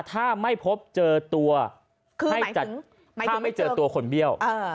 ถ้าไม่พบเจอตัวให้จัดถ้าไม่เจอตัวคนเบี้ยว